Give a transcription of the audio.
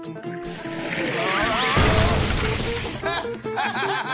アハハハハ！